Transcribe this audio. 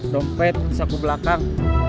dompet disaku belakang